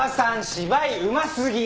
芝居うま過ぎ！